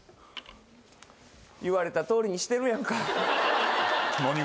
言われたとおりにしてるやんか何が？